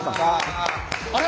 あれ？